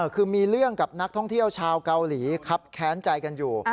คือมีเรื่องกับนักท่องเที่ยวชาวเกาหลีครับแค้นใจกันอยู่